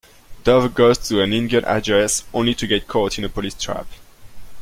Dov goes to an Irgun address, only to get caught in a police trap.